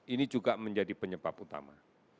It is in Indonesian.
ini juga menjadi penyebab utama